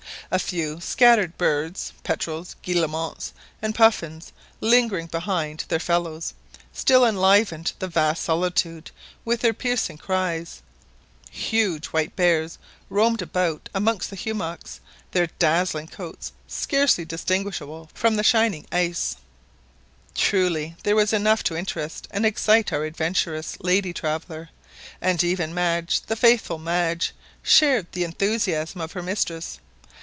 A few scattered birds, petrels, guillemots, and puffins, lingering behind their fellows, still enlivened the vast solitude with their piercing cries; huge white bears roamed about amongst the hummocks, their dazzling coats scarcely distinguishable from the shining ice truly there was enough to interest and excite our adventurous lady traveller, and even Madge, the faithful Madge, shared the enthusiasm of her mistress.